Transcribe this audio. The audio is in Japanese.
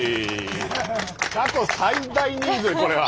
過去最大人数これは。